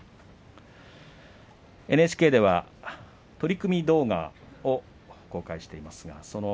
ＮＨＫでは取組動画を公開しています。